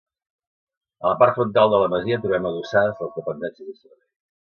A la part frontal de la masia, trobem adossades les dependències de servei.